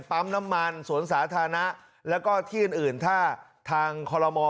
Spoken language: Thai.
ปั๊มน้ำมันสวนสาธารณะแล้วก็ที่อื่นถ้าทางคอลโลมอล